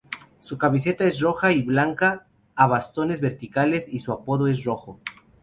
Su camiseta es roja y blanca a bastones verticales y su apodo es "Rojo".